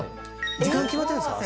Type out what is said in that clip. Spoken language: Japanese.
時間決まってるんですか？